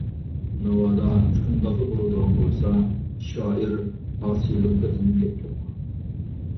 ناۋادا شۇنداقلا بولىدىغان بولسا، شائىر ئاسىيلىققا تىنىپ كەتكەن بولىدۇ.